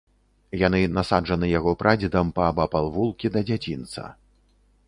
Яны насаджаны яго прадзедам паабапал вулкі да дзядзінца.